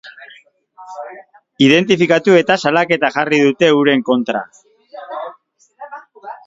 Identifikatu eta salaketa jarri dute euren kontra.